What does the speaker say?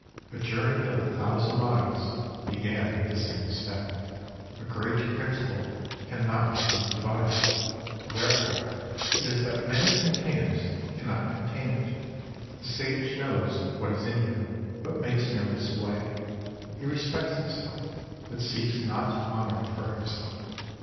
A journey of a thousand miles began with a single step. A great principle cannot be divided ; there 5i fore it is that many containers cannot contain it* The Sage knows what is in him, but makes no display ; he respects himself, but seeks not honour for himself.